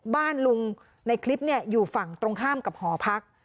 บ้านลุงในคลิปอยู่ฝั่งตรงข้ามกับหอพัก